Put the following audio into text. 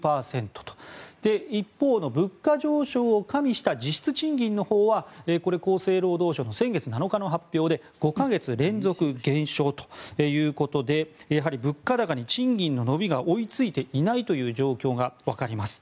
一方の物価上昇を加味した実質賃金のほうはこれは厚生労働省の先月７日の発表で５か月連続減少ということでやはり物価高に賃金の伸びが追いついていないという状況がわかります。